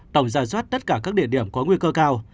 tổng ra soát tất cả các địa điểm có nguy cơ cao